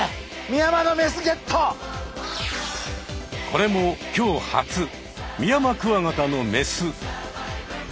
これもきょう初ミヤマクワガタのメス！